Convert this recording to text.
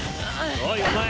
おいお前